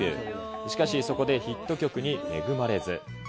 しかし、そこでヒット曲に恵まれず。